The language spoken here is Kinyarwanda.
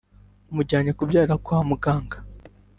amujyanye kubyarira kwa muganga